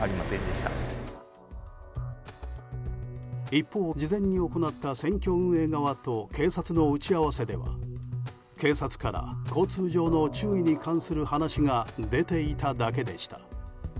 一方、事前に行った選挙運営側と警察の打ち合わせでは警察から交通上の注意に関する話が出ていただけでした。